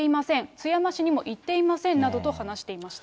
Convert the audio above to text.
津山市にも行っていませんなどと話していました。